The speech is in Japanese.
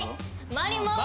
回ります！